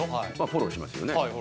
フォローしますよね。